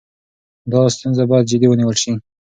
دا ستونزه باید جدي ونیول شي.